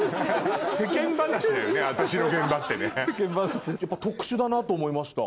世間話だよね私の現場ってね。と思いました。